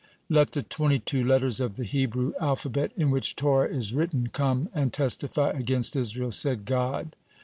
"Let the twenty two letters of the Hebrew alphabet in which Torah is written come and testify against Israel," said God.